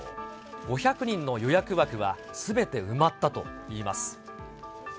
５００人の予約枠はすべて埋まったといいます。